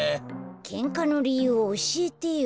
けんかのりゆうをおしえてよ。